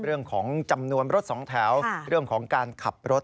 เรื่องของจำนวนรถสองแถวเรื่องของการขับรถ